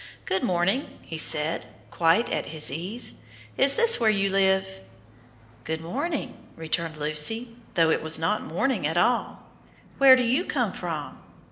"Good morning," he said, quite at his ease; "is this where you live?" "Good morning," returned Lucy, though it was not morning at all; "where do you come from?"